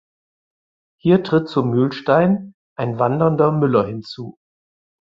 Hier tritt zum Mühlstein ein wandernder Müller hinzu.